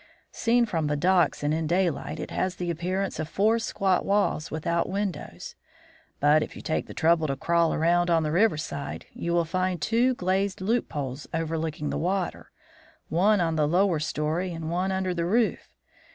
Seen from the docks and in daylight, it has the appearance of four squat walls without windows. But if you take the trouble to crawl around on the river side, you will find two glazed loopholes overlooking the water, one on the lower story and one under the roof.